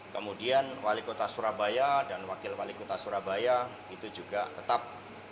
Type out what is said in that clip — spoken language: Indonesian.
kemudian wali kota surabaya dan wakil wali kota surabaya itu juga tetap